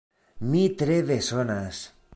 Mi tre bezonas!